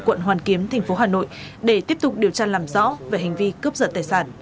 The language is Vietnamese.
quận hoàn kiếm thành phố hà nội để tiếp tục điều tra làm rõ về hành vi cướp giật tài sản